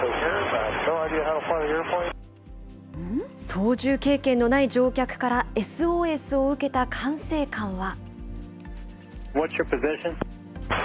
操縦経験のない乗客からＳＯＳを受けた管制官は。